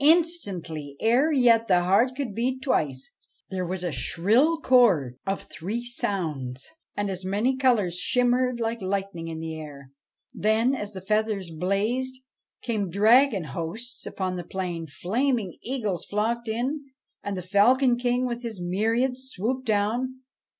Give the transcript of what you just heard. Instantly ere yet the heart could beat twice there was a shrill chord of three sounds, and as many colours shimmered like lightning in the air. Then as the feathers blazed, came dragon hosts upon the plain ; flaming eagles flocked in ; and the Falcon King with his myriads swooped down.